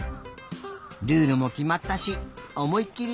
ルールもきまったしおもいきり